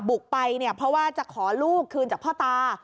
บุกไปเนี่ยเพราะว่าจะขอลูกคืนจากพ่อตา